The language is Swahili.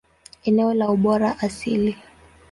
Eneo la ubora asili.